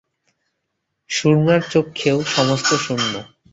সুরমার চক্ষেও সমস্তই শূন্য।